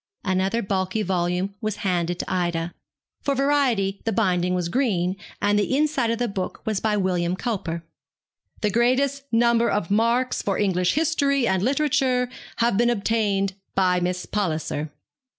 Another bulky volume was handed to Ida. For variety the binding was green, and the inside of the book was by William Cowper. 'The greatest number of marks for English history and literature have been obtained by Miss Palliser.'